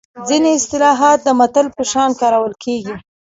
ځینې اصطلاحات د متل په شان کارول کیږي